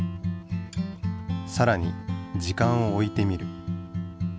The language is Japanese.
さらに時間をおいてみる。